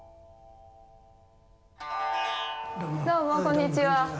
どうもこんにちは！